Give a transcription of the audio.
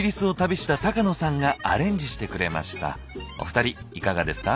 お二人いかがですか？